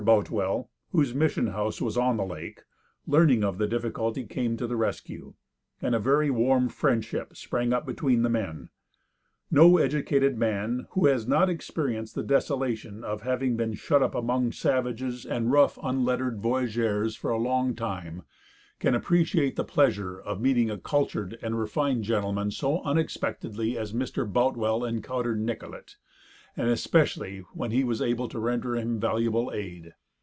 Boutwell, whose mission house was on the lake, learning of the difficulty, came to the rescue, and a very warm friendship sprang up between the men. No educated man who has not experienced the desolation of having been shut up among savages and rough, unlettered voyageurs for a long time can appreciate the pleasure of meeting a cultured and refined gentleman so unexpectedly as Mr. Boutwell encountered Nicollet, and especially when he was able to render him valuable aid.